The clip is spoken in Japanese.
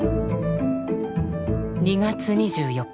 ２月２４日